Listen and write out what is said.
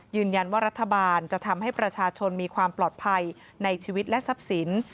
รัฐบาลจะทำให้ประชาชนมีความปลอดภัยในชีวิตและทรัพย์สิน